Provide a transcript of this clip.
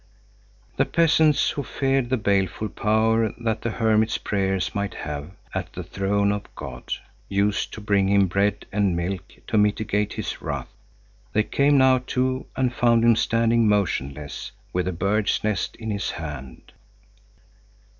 The peasants, who feared the baleful power that the hermit's prayers might have at the throne of God, used to bring him bread and milk to mitigate his wrath. They came now too and found him standing motionless, with the bird's nest in his hand.